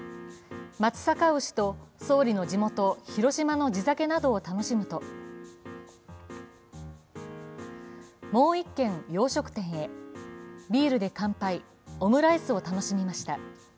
松阪牛と総理の地元・広島の地酒などを楽しむともう一軒、洋食店へ、ビールで乾杯、オムライスを楽しみました。